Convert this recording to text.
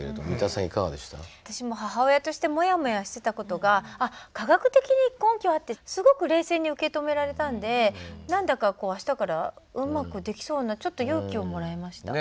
私も母親としてもやもやしてた事が科学的に根拠あってすごく冷静に受け止められたんで何だか明日からうまくできそうなちょっと勇気をもらいました。